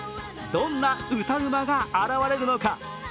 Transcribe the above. どんな歌うまが現れるのか。